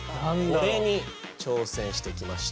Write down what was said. これに挑戦してきました。